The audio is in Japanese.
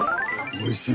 おいしい。